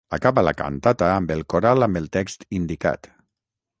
Acaba la cantata amb el coral amb el text indicat.